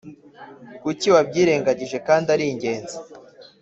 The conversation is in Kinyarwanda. kuki wabyirengagije kandi aringenzi